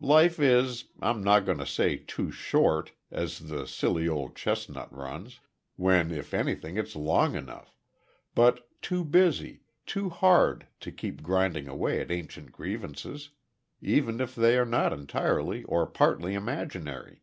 Life is I'm not going to say, `too short,' as the silly old chestnut runs, when if anything it's long enough but too busy, too hard, to keep grinding away at ancient grievances, even if they are not entirely or partly imaginary.